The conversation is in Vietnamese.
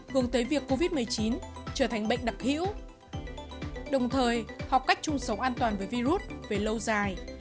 hướng tới việc covid một mươi chín trở thành bệnh đặc hữu đồng thời học cách chung sống an toàn với virus về lâu dài